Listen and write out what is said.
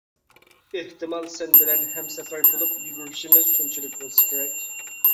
ئېھتىمال سەن بىلەن ھەمسەپەر بولۇپ يۈگۈرۈشىمىز شۇنچىلىك بولسا كېرەك.